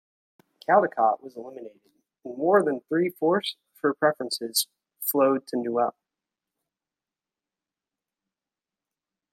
Caldicott was eliminated, and more than three-fourths of her preferences flowed to Newell.